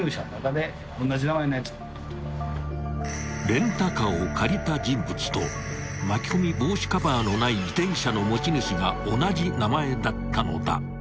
［レンタカーを借りた人物と巻き込み防止カバーのない自転車の持ち主が同じ名前だったのだ］